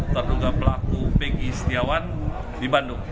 terduga pelaku pengki setiawan di bandung